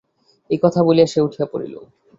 এই কথা বলিয়া সে উঠিয়া পড়িল।